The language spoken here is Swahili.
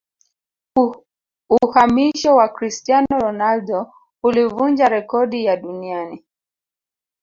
uhamisho wa cristiano ronaldo ulivunja rekodi ya duniani